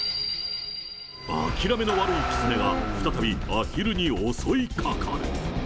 諦めの悪いキツネが再びアヒルに襲いかかる。